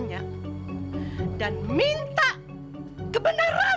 tanya dan minta kebenaran